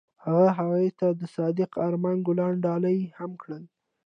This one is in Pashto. هغه هغې ته د صادق آرمان ګلان ډالۍ هم کړل.